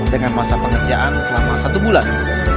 dengan masa pengerjaan selama satu bulan